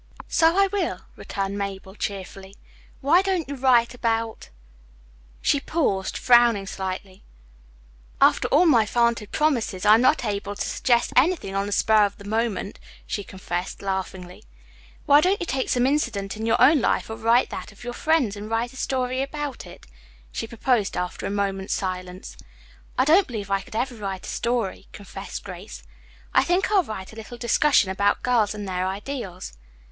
"So I will," returned Mabel cheerfully. "Why don't you write about " She paused, frowning slightly. "After all my vaunted promises I'm not able to suggest anything on the spur of the moment," she confessed laughingly. "Why don't you take some incident in your own life or that of your friends and write a story about it?" she proposed after a moment's silence. "I don't believe I could ever write a story," confessed Grace. "I think I'll write a little discussion about girls and their ideals."